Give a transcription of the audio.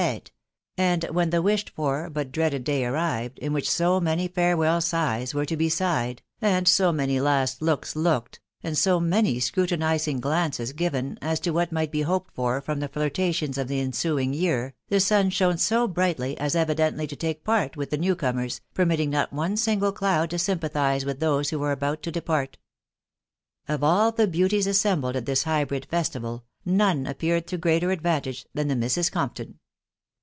fete ; send tb* mlMbed~tor, to* dreaded day arrived, *n ^Aad*. w> TttB WIDOW BABKABY. 8S • many farewell sighs were to be sighed, and so many last looks looked, and so many scrutinising glances given, as to what might be hoped for from the flirtations of like ensuing year, the sun shone so brightly as evidently to take part with the new comers, permitting not one single eloud to sympathise with those who were about to depart* Of all the beauties assembled at this hybrid festival, none appealed to greater advantage than the Misses Compton.